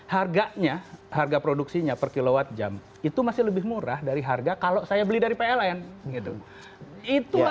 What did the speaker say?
harganya harga produksinya per kilowatt jam itu masih lebih murah dari harga kalau saya beli dari pln gitu itu